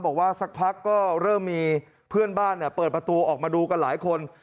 บอกว่าสักพักก็เริ่มมีเพื่อนบ้านเปิดประตูออกมาดูกันหลายคน